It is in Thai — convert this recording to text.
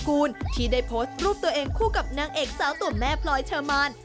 แต่วิจารณ์สาวพลอยว่าดูเหมือนผู้ชายดูเท่านั้นแหละค่ะคุณผู้ชม